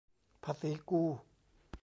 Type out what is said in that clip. ภาษีกู